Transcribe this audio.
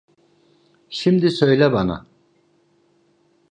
Şimdi söyle bana.